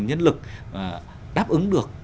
nhân lực đáp ứng được